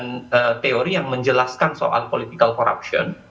ada teori yang menjelaskan soal political corruption